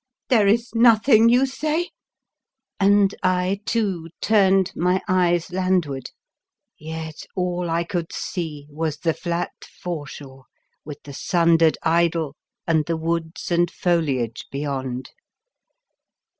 " There is nothing, you say? " and I, too, turned my eyes landward, yet all I could see was the flat foreshore with 1 23 The Fearsome Island the sundered idol and the woods and foliage beyond.